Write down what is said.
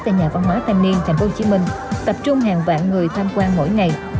tại nhà văn hóa thanh niên tp hcm tập trung hàng vạn người tham quan mỗi ngày